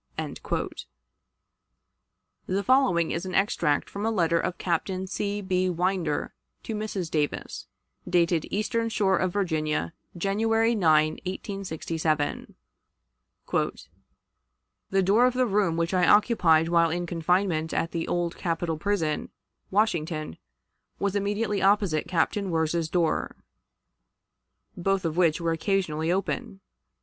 The following is an extract from a letter of Captain C. B. Winder to Mrs. Davis, dated Eastern Shore of Virginia, January 9, 1867: "The door of the room which I occupied while in confinement at the Old Capitol Prison, Washington, was immediately opposite Captain Wirz's door both of which were occasionally open.